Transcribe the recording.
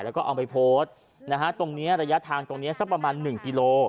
แล้วก็เอาไปโพสต์นะฮะตรงนี้ระยะทางตรงนี้สักประมาณ๑กิโล